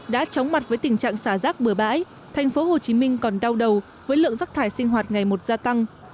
đã chóng mặt với tình trạng xả rác bừa bãi thành phố hồ chí minh còn đau đầu với lượng rác thải sinh hoạt ngày một gia tăng